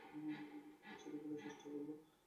আবার ছিঁড়ে ফেলার চেষ্টা করো।